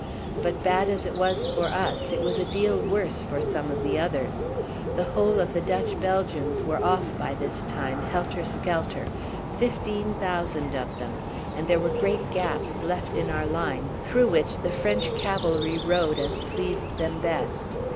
But bad as it was for us, it was a deal worse for some of the others. The whole of the Dutch Belgians were off by this time helter skelter, fifteen thousand of them, and there were great gaps left in our line through which the French cavalry rode as pleased them best.